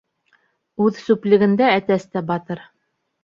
Үҙ сүплегендә әтәс тә батыр.